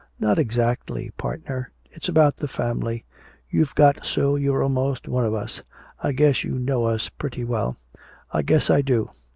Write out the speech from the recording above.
"Not exactly, partner. It's about the family. You've got so you're almost one of us. I guess you know us pretty well." "I guess I do.